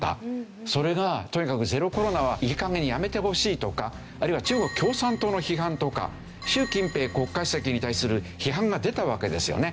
それがとにかくゼロコロナはいい加減にやめてほしいとかあるいは中国共産党の批判とか習近平国家主席に対する批判が出たわけですよね。